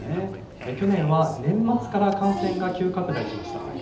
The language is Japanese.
去年は年末から感染が急拡大しました。